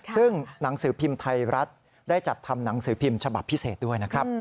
ซึ่งหนังสือพิมพ์ไทยรัฐได้จัดทำหนังสือพิมพ์ฉบับพิเศษด้วยนะครับ